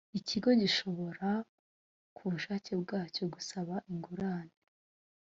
ikigo gishobora ku bushake bwacyo gusaba ingurane